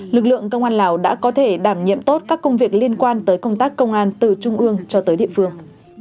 lực lượng công an lào đã có thể đảm nhiệm tốt các công việc liên quan tới công tác công an từ trung ương cho tới địa phương